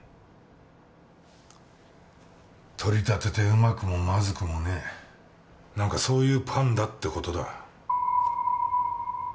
取り立ててうまくもマズくもねえ何かそういうパンだってことだ